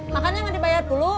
makannya gak dibayar puluh